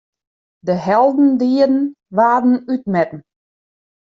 De heldendieden waarden útmetten.